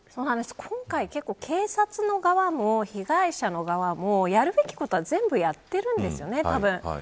今回、結構、警察の側も被害者の側もやるべきことは全部やってるんですよねたぶん。